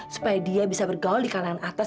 supaya dia bisa bergaul di kalangan atas